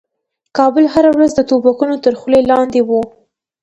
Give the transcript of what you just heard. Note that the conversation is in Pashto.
کابل هره ورځ د توپکو تر خولې لاندې و.